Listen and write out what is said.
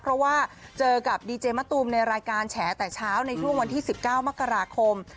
เพราะว่าเจอกับดีเจมะตูมในรายการแฉแต่เช้าในช่วงวันที่๑๙มกราคม